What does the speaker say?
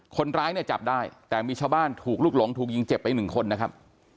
คนร้ายเนี่ยจับได้แต่มีชาวบ้านถูกลุกหลงถูกยิงเจ็บไปหนึ่งคนนะครับ